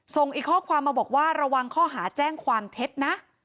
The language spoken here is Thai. อีกข้อความมาบอกว่าระวังข้อหาแจ้งความเท็จนะ